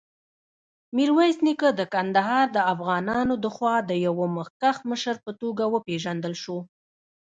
میرویس نیکه د کندهار دافغانانودخوا د یوه مخکښ مشر په توګه وپېژندل شو.